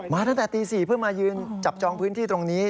ตั้งแต่ตี๔เพื่อมายืนจับจองพื้นที่ตรงนี้